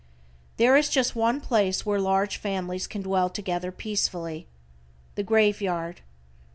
There is just one place where large families can dwell together peaceably the grave yard.